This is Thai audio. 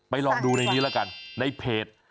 ลองดูในนี้แล้วกันในเพจ